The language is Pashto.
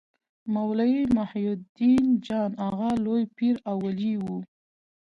مولوي محي الدین جان اغا لوی پير او ولي و.